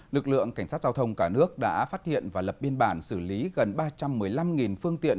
lực lượng cảnh sát giao thông cả nước đã phát hiện và lập biên bản xử lý gần ba trăm một mươi năm phương tiện